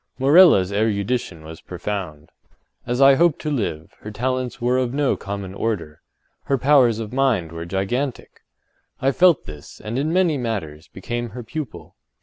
Morella’s erudition was profound. As I hope to live, her talents were of no common order—her powers of mind were gigantic. I felt this, and, in many matters, became her pupil.